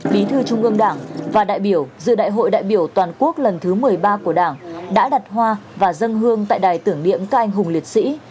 mùa một nghìn năm trăm tám mươi bảy đại biểu dự đại hội đại biểu toàn quốc lần thứ một mươi ba của đảng sẽ họp phiên chủ bị